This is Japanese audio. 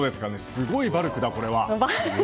すごいバルクだ、これは。